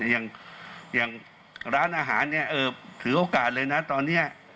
อย่างร้านอาหารเนี่ยถือโอกาสเลยนะตอนนี้